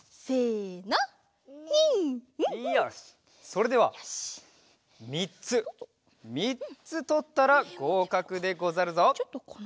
それでは３つ３つとったらごうかくでござるぞ。